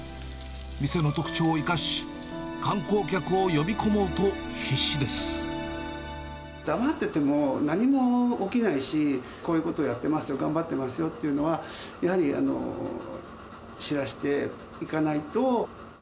店の特徴を生かし、観光客を呼び黙ってても何も起きないし、こういうことやってますよ、頑張ってますよっていうのは、やはり知らせていかないと。